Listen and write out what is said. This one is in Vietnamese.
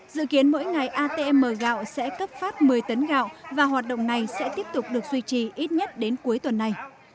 dự kiến mỗi ngày atm gạo sẽ cấp phát một mươi tấn gạo và hoạt động này sẽ tiếp tục được duy trì ít nhất đến cuối tuần này